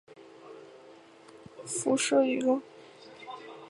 射辐射对入射辐射的它将包括弥漫性和镜面反射辐射反映。